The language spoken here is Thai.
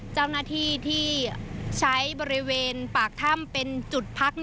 เจ้าหน้าที่ที่ใช้บริเวณปากถ้ำเป็นจุดพัก